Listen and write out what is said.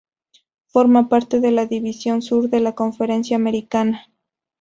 Forma parte de la división sur de la Conferencia Americana.